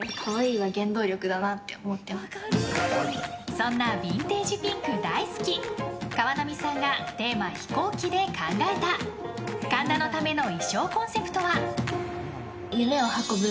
そんなビンテージピンク大好き川波さんがテーマ飛行機で考えた神田のための衣装コンセプトは。